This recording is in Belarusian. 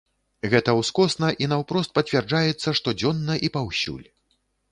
Гэта ўскосна і наўпрост пацвярджаецца штодзённа і паўсюль.